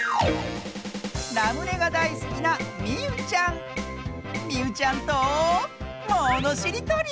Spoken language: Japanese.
ラムネがだいすきなみうちゃんとものしりとり！